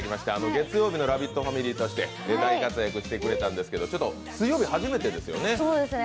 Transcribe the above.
月曜日のラヴィットファミリーとして大活躍してくれましたけれども、ちょっと水曜日、初めてですよね？